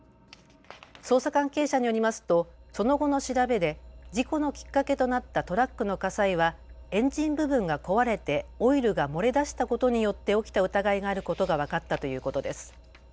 捜査関係者によりますとその後の調べで事故のきっかけとなったトラックの火災はエンジン部分が壊れてオイルが漏れ出したことによって起きた疑いがあることが分かったということです。